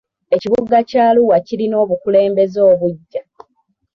Ekibuga ky'Arua kirina obukulembeze obugya.